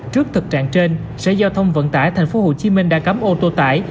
trước thực trạng trên sở giao thông vận tải tp hcm đã cấm ô tô tải